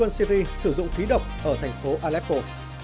quân syri sử dụng khí độc ở thành phố aleppo